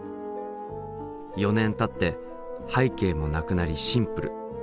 ４年たって背景もなくなりシンプル。